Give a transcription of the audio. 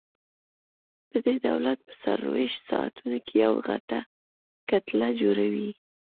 پدې ډول په څلورویشت ساعتونو کې یوه غټه کتله جوړوي.